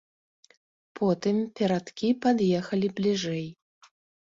Потым перадкі пад'ехалі бліжэй.